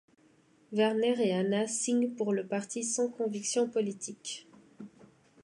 Werner et Hanna signent pour le parti sans conviction politique.